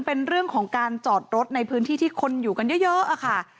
เป็นเรื่องของการจอดรถในพื้นที่ที่คนอยู่กันเยอะค่ะ